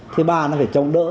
thì ba nó phải trông đỡ